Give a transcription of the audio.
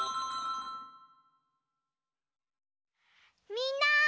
みんな！